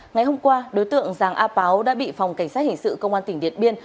ngày hôm qua đối tượng giàng a páo đã bị phòng cảnh sát hình sự công an tỉnh điện biên